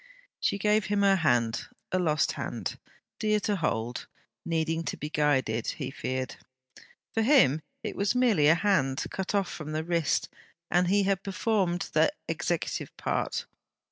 She gave him her hand: a lost hand, dear to hold, needing to be guided, he feared. For him, it was merely a hand, cut off from the wrist; and he had performed that executive part!